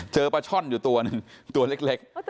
ปลาช่อนอยู่ตัวหนึ่งตัวเล็ก